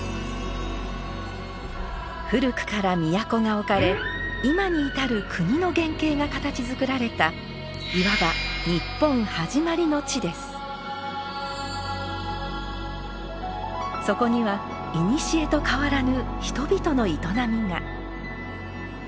古くから都が置かれ今に至る国の原型が形づくられたいわばそこにはいにしえと変わらぬ人々の営みが。